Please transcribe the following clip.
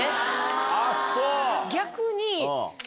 逆に。